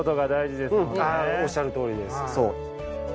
おっしゃるとおりですそう。